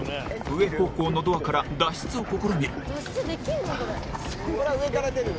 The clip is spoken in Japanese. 上方向のドアから脱出を試みる。